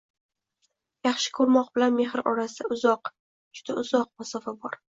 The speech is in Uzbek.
“Yaxshi ko’rmoq” bilan “Mehr” orasida uzoq, juda uzoq masofa bor...